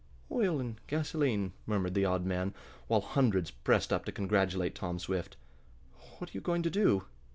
"Oil and gasoline," murmured the odd man, while hundreds pressed up to congratulate Tom Swift "What are you going to do?"